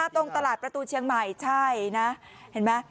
ตรงตลาดประตูเชียงใหม่ใช่นะเห็นไหม